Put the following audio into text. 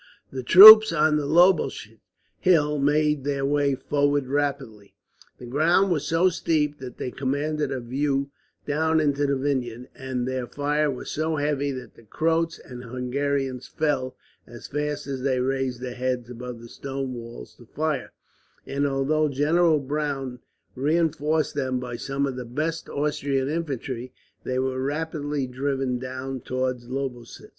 The troops on the Lobosch Hill made their way forward rapidly. The ground was so steep that they commanded a view down into the vineyard, and their fire was so heavy that the Croats and Hungarians fell, as fast as they raised their heads above the stone walls to fire; and although General Browne reinforced them by some of the best Austrian infantry, they were rapidly driven down towards Lobositz.